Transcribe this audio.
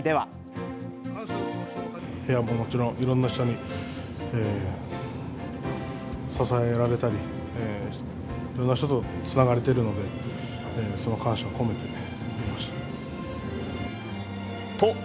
部屋ももちろん、いろんな人に支えられたり、いろんな人とつながれているので、その感謝を込めて読みました。